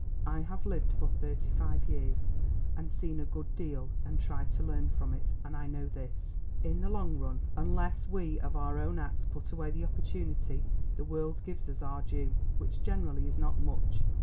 I have lived for thirty five years, and seen a good deal and tried to learn from it, and I know this. In the long run, unless we of our own act put away the opportunity, the world gives us our due, which generally is not much.